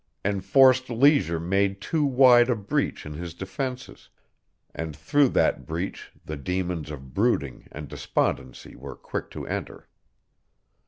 Enforced leisure made too wide a breach in his defenses, and through that breach the demons of brooding and despondency were quick to enter.